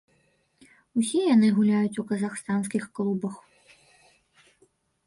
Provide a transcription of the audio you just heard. Усе яны гуляюць у казахстанскіх клубах.